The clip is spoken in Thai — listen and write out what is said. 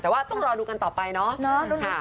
แต่ว่าต้องรอดูกันต่อไปเนาะ